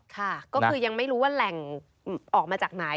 ค่ะก็คือยังไม่รู้ว่าแหล่งออกมาจากไหน